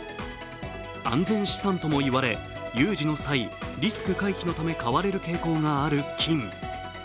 安全資産とも言われ、有事の際、リスク回避のため買われる傾向がある金。